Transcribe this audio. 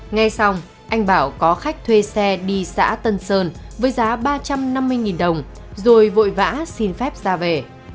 ngay xong anh bảo có khách thuê xe đi xã tân sơn với giá ba trăm năm mươi đồng rồi vội vã xin phép ra về